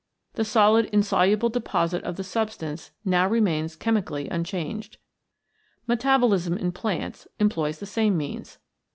The solid insoluble deposit of the substance now remains chemically unchanged. Metabolism in plants employs the same means.